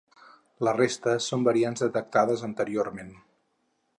La resta són variants detectades anteriorment.